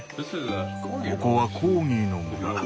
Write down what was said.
ここはコーギーの村。